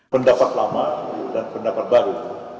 pendapat lama dan pendapat baru